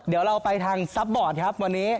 เดี๋ยวเราไปทางซัพบอร์ดครับวันนี้